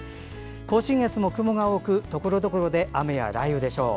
甲信越も雲が多くところどころで雨や雷雨になるでしょう。